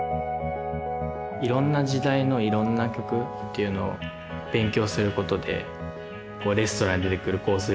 いろんな時代のいろんな曲っていうのを勉強することでレストランに出てくるコース